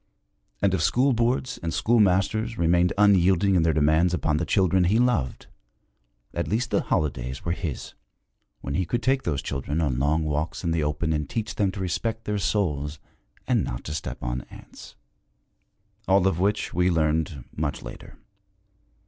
And if school boards and schoolmasters remained unyielding in their demands upon the children he loved, at least the holidays were his, when he could take those children on long walks in the open and teach them to respect their souls and not to step on ants. All of which we learned much later.